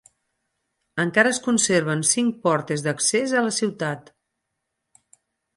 Encara es conserven cinc portes d'accés a la ciutat.